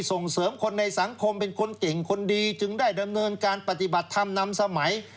ส่งเสริมคนในสังคมเป็นคนเก่งคนดีจึงได้ดำเนินการปฏิบัติธรรมนำสมัย